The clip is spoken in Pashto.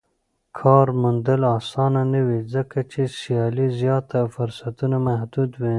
کار موندل اسانه نه وي ځکه چې سيالي زياته او فرصتونه محدود وي.